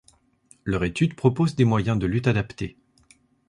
Leur étude propose des moyens de lutte adaptés.